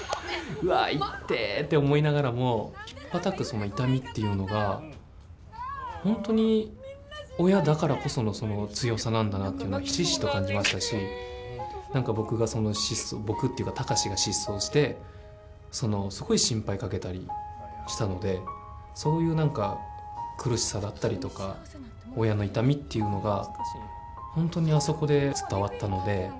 うわいってえ！って思いながらもたたくその痛みっていうのが本当に親だからこその強さなんだなっていうのがひしひしと感じましたし何か貴司が失踪してすごい心配かけたりしたのでそういう何か苦しさだったりとか親の痛みっていうのが本当にあそこで伝わったので。